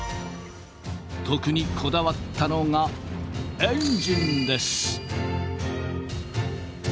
特にこだわったのがエンジンです。